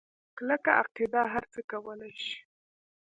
کلکه عقیده هرڅه کولی شي.